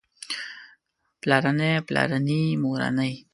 پلارنی پلارني مورنۍ